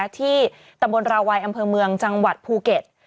ที่ตำบลราวัยอำเภอเมืองจังหวัดภูเก็ต